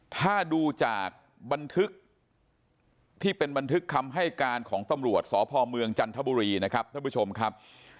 ถ้าดูจากบันทึกที่เป็นบันทึกคำให้การของตำรวจสพเมืองจันทบุรีนะครับท่านผู้ชมครับ